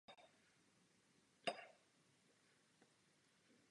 V tomto případě je na tuto otázku snadná odpověď.